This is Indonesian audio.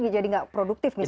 jadi gak produktif misalnya